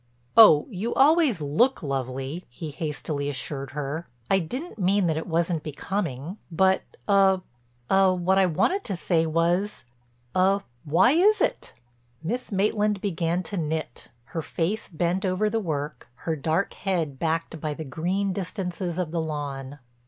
"Oh, you always look lovely," he hastily assured her. "I didn't mean that it wasn't becoming. But—er—er—what I wanted to say was—er—why is it?" Miss Maitland began to knit, her face bent over the work, her dark head backed by the green distances of the lawn.